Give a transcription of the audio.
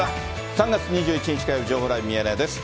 ３月２１日火曜日、情報ライブミヤネ屋です。